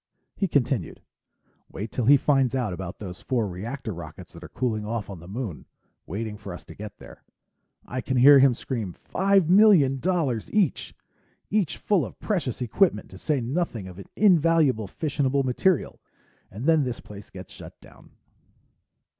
He continued, "Wait till he finds out about those four reactor rockets that are cooling off on the Moon, waiting for us to get there. I can hear him scream, 'Five million dollars each! Each full of precious equipment, to say nothing of invaluable fissionable material!' And then this place gets shut down."